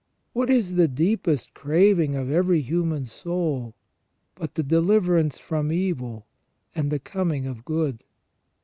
What is the deepest craving of every human soul but the deliverance from evil and the coming of good